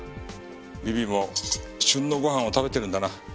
ビビも旬のご飯を食べてるんだな。